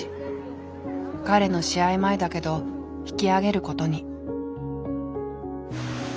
彼の試合前だけど引きあげることに。